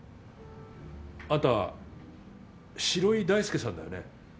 あんた城井大介さんだよね？